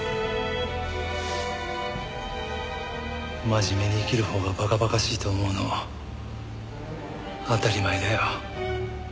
真面目に生きるほうが馬鹿馬鹿しいと思うの当たり前だよ。